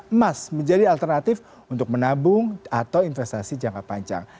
emas menjadi alternatif untuk menabung atau investasi jangka panjang